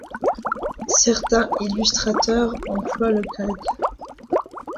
Certains illustrateurs emploient le calque.